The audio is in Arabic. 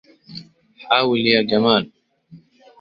حاول يا جمال.